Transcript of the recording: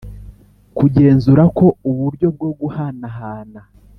Kugenzura ko uburyo bwo guhanahana